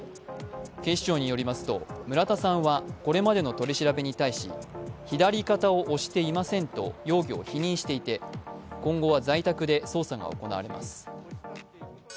警視庁に寄りますと村田さんはこれまでの取り調べに対し左肩を押していませんと容疑を否認していて今後は在宅で捜査が行われます。